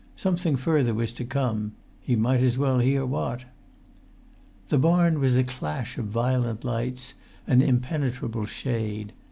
Something further was to come; he might as well hear what. The barn was a clash of violent lights and impenetrable shade.